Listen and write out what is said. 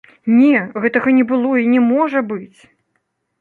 Не, гэтага не было і не можа быць!